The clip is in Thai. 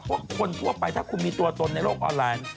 คนทั่วไปถ้าคุณมีตัวตนในโลกออนไลน์